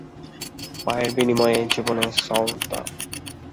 পায়ের বিনিময়ে জীবনের সওদা।